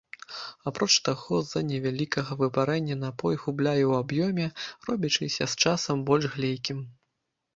Апроч таго, з-за невялікага выпарэння напой губляе ў аб'ёме, робячыся з часам больш глейкім.